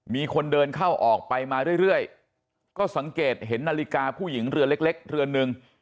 มีคนเดินเข้าออกไปมาเรื่อยก็สังเกตเห็นนาฬิกาผู้หญิงเรือเล็กเรือนหนึ่ง